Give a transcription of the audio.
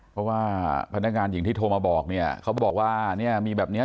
เพราะว่าพนักงานหญิงที่โทรมาบอกเนี่ยเขาบอกว่าเนี่ยมีแบบเนี้ย